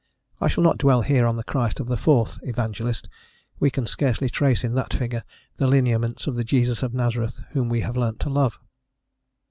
I shall not dwell here on the Christ of the fourth Evangelist; we can scarcely trace in that figure the lineaments of the Jesus of Nazareth whom we have learnt to love.